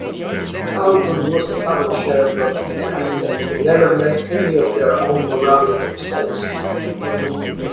Carlton was a publisher broadcaster who never made any of their own programming themselves.